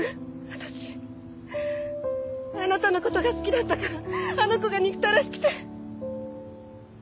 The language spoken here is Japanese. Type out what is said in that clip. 私あなたのことが好きだったからあの子が憎たらしくて。